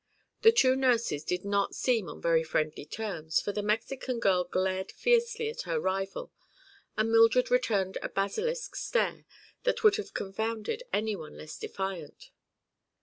The two nurses did not seem on very friendly terms, for the Mexican girl glared fiercely at her rival and Mildred returned a basilisk stare that would have confounded anyone less defiant.